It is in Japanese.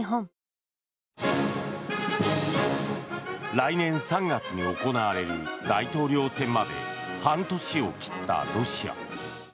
来年３月に行われる大統領選まで半年を切ったロシア。